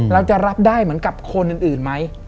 เราจะรับได้เหมือนกับคนอื่นไหม